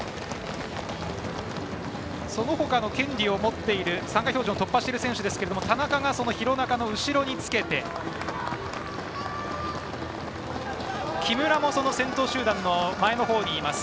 そのほかの権利を持っている参加標準記録を突破している選手ですが田中が廣中の後ろにつけて木村も先頭集団の前のほうにいます。